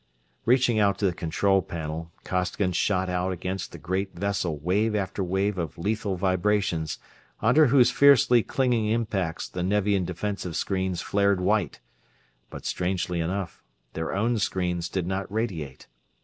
Reaching out to the control panel, Costigan shot out against the great vessel wave after wave of lethal vibrations, under whose fiercely clinging impacts the Nevian defensive screens flared white; but, strangely enough, their own screens did not radiate.